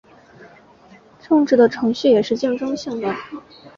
政治的程序也是竞争性的。